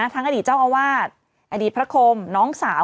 อดีตเจ้าอาวาสอดีตพระคมน้องสาว